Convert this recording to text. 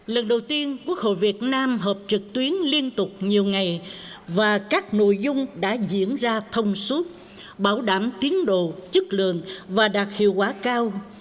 lần đầu tiên quốc hội việt nam họp trực tuyến liên tục nhiều ngày và các nội dung đã diễn ra thông suốt bảo đảm tiến độ chất lượng và đạt hiệu quả cao